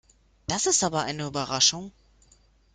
Das ist aber eine Überraschung.